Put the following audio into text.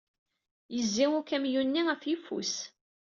Yezzi ukamyun-nni ɣef uyeffus.